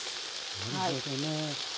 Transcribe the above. なるほどね。